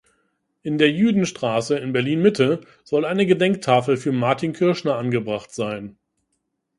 In der Jüdenstraße in Berlin-Mitte soll eine Gedenktafel für Martin Kirschner angebracht sein.